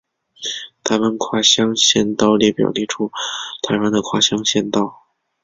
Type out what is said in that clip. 台湾跨县乡道列表列出台湾的跨县乡道。